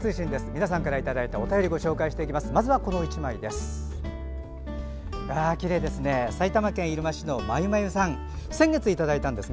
皆さんからいただいたお便りご紹介していきます。